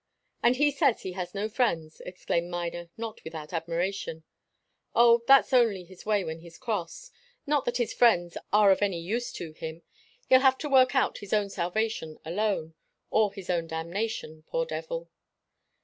"And he says he has no friends!" exclaimed Miner, not without admiration. "Oh, that's only his way when he's cross. Not that his friends are of any use to him. He'll have to work out his own salvation alone or his own damnation, poor devil!"